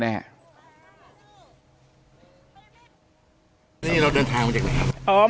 นี่เราเดินทางมาจากไหนครับ